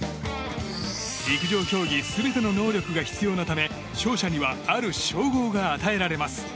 陸上競技全ての能力が必要なため勝者にはある称号が与えられます。